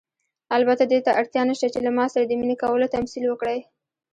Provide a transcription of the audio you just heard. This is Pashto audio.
البته دې ته اړتیا نشته چې له ما سره د مینې کولو تمثیل وکړئ.